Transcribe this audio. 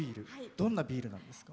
どんなビールなんですか？